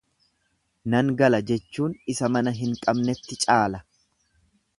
Nan gala jechuun isa mana hin qabnetti caala.